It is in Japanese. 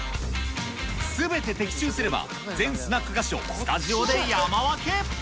すべて的中すれば、全スナック菓子をスタジオで山分け。